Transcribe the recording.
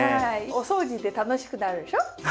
お掃除って楽しくなるでしょ？ね。